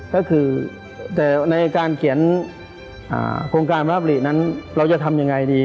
ก็คือแต่ในการเขียนโครงการพระอภิรินั้นเราจะทำยังไงดี